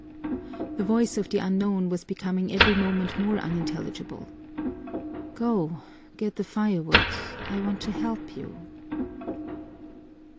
The voice of the unknown was becoming every moment more unintelligible. "Go, get the firewood. I want to help you."